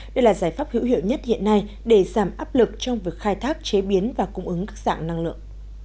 đây là giải pháp hữu hiệu nhất hiện nay để giảm áp lực trong việc khai thác chế biến và cung ứng các dạng năng lượng